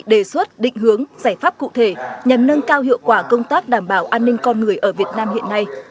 đề xuất định hướng giải pháp cụ thể nhằm nâng cao hiệu quả công tác đảm bảo an ninh con người ở việt nam hiện nay